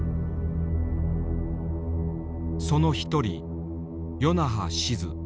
その一人与那覇しづ